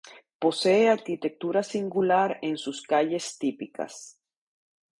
Posee arquitectura singular en sus calles típicas.